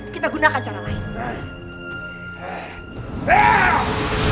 kita gunakan cara lain